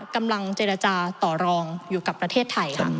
กำลังเจรจาต่อรองอยู่กับประเทศไทยค่ะ